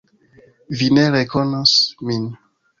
Vi ne rekonos min.